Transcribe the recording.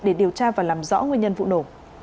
để điều tra và làm rõ nguyên nhân vụ nổ